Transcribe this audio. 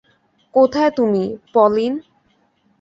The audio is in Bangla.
কোথায় তুমি, পলিন?